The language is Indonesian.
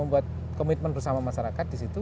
membuat komitmen bersama masyarakat di situ